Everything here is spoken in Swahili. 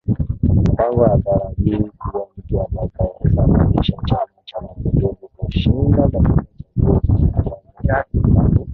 Mpango hatarajiwi kuwa mtu atakayesababisha Chama cha mapinduzi kushinda katika chaguzo zijazo kwa sababu